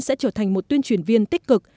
sẽ trở thành một tuyên truyền viên tích cực